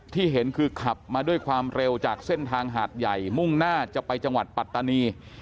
เห็นคือขับมาด้วยความเร็วจากเส้นทางหาดใหญ่มุ่งหน้าจะไปจังหวัดปัตตานี